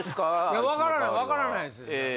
いや分からない分からないです